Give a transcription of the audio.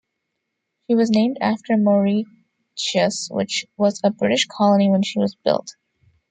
She was named after Mauritius, which was a British colony when she was built.